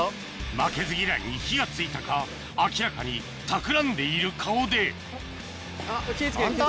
負けず嫌いに火が付いたか明らかにたくらんでいる顔でホント？